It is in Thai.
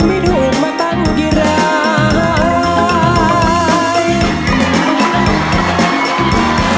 ไม่ถูกมาตั้งกี่ราย